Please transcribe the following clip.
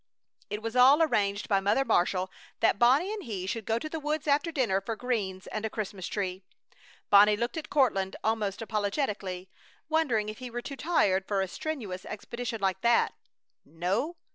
It was all arranged by Mother Marshall that Bonnie and he should go to the woods after dinner for greens and a Christmas tree. Bonnie looked at Courtland almost apologetically, wondering if he were too tired for a strenuous expedition like that. No.